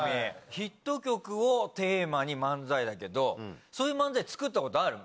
ヒット曲をテーマに漫才だけど、そういう漫才作ったことある？